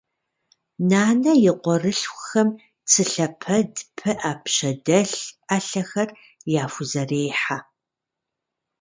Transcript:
Нанэ и къуэрылъхухэм цы лъэпэд, пыӏэ, пщэдэлъ, ӏэлъэхэр яхузэрехъэ.